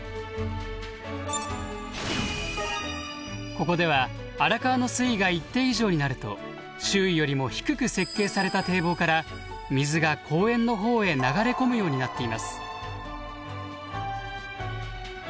ここでは荒川の水位が一定以上になると周囲よりも低く設計された堤防から水が公園の方へ流れ込むようになっています。